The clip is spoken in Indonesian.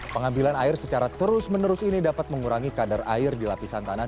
pengambilan air secara terus menerus ini dapat mengurangi kadar air di lapisan tanah